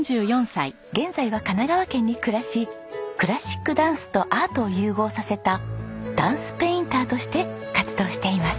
現在は神奈川県に暮らしクラシックダンスとアートを融合させたダンスペインターとして活動しています。